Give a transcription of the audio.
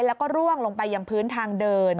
แล้วก็ร่วงลงไปยังพื้นทางเดิน